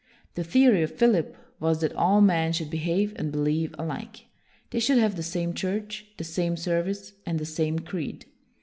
The theory of Philip was that all men should behave and believe alike. They should have the same church, the same service, and the same creed.